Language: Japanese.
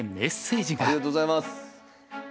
ありがとうございます。